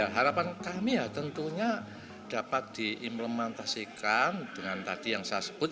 harapan kami ya tentunya dapat diimplementasikan dengan tadi yang saya sebut